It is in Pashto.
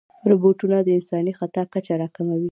روبوټونه د انساني خطا کچه راکموي.